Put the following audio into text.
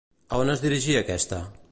A on es dirigia aquesta?